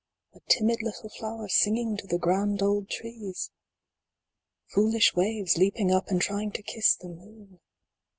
A timid little flower singing to the grand old trees ? Foolish waves, leaping up and trying to kiss the moon